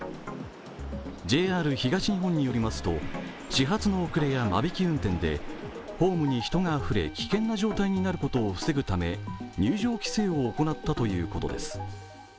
ＪＲ東日本によりますと始発の遅れや間引き運転でホームに人があふれ危険な状態になることを防ぐため入場規制を行ったということです。